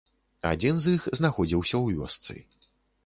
Адзін з іх знаходзіўся ў вёсцы.